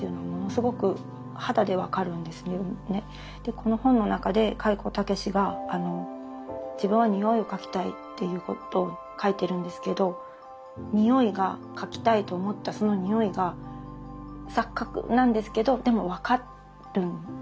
この本の中で開高健が自分は匂いを書きたいっていうことを書いてるんですけど匂いが書きたいと思ったその匂いが錯覚なんですけどでも分かるんですよね。